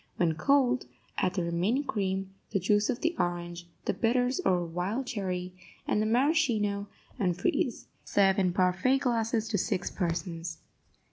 When cold, add the remaining cream, the juice of the orange, the bitters or wild cherry, and the maraschino, and freeze. Serve in parfait glasses to six persons.